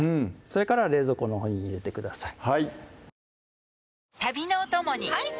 それから冷蔵庫のほうに入れてください